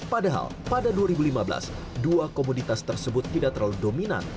padahal pada dua ribu lima belas dua komoditas tersebut tidak terlalu dominan